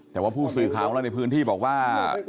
แต่ว่าผู้ซื้อข่าวล่ะในพื้นที่บอกว่า